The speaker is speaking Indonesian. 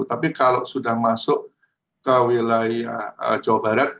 tapi kalau sudah masuk ke wilayah jawa barat